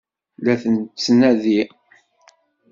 La ten-tettnadi?